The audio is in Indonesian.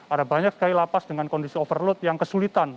ada banyak sekali lapas dengan kondisi overload yang kesulitan